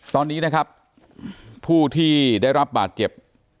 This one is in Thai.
ตอนนี้นะครับผู้ที่ได้รับบาดเจ็บ